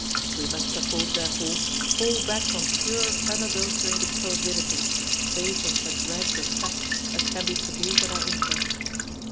We must perforce, therefore, fall back on pure unadulterated probability, based on such rags of fact as can be produced at our inquest.